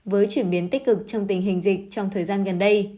với chuyển biến tích cực trong tình hình dịch trong thời gian gần đây